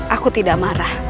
aku tidak marah